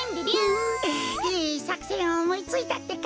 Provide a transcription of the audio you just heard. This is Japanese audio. グフッいいさくせんをおもいついたってか。